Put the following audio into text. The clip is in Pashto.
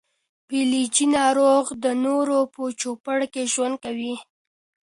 فلجي ناروغ د نورو په چوپړ کې ژوند کوي.